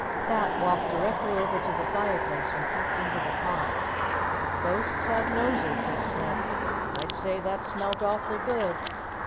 Fat walked directly over to the fireplace and peeped into the pot. "If ghosts had noses," he sniffed, "I'd say that smelt awfully good."